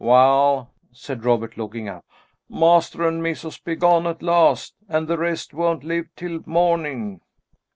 "Well!" said Robert, looking up. "Master and missus be gone at last, and the rest won't live till morning."